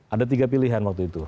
ada tiga pilihan waktu itu